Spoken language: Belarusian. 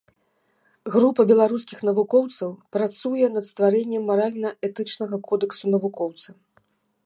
Група беларускіх навукоўцаў працуе над стварэннем маральна-этычнага кодэксу навукоўца.